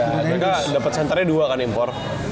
mereka dapet centernya dua kan impor